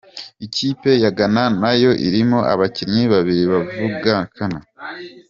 Ikipe ya Ghana nayo irimo abakinnyi babiri bavukana.